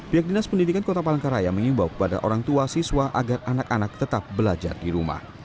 pihak dinas pendidikan kota palangkaraya mengimbau kepada orang tua siswa agar anak anak tetap belajar di rumah